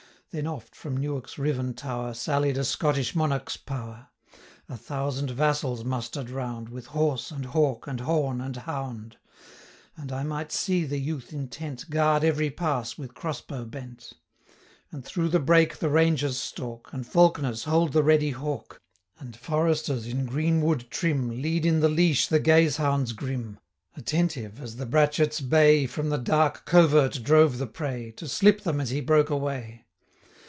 Then oft, from Newark's riven tower, Sallied a Scottish monarch's power: A thousand vassals muster'd round, With horse, and hawk, and horn, and hound; 35 And I might see the youth intent, Guard every pass with crossbow bent; And through the brake the rangers stalk, And falc'ners hold the ready hawk, And foresters, in green wood trim, 40 Lead in the leash the gazehounds grim, Attentive, as the bratchet's bay From the dark covert drove the prey, To slip them as he broke away.